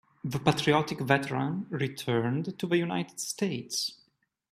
The patriotic veteran returned to the United States.